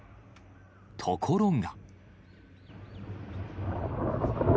ところが。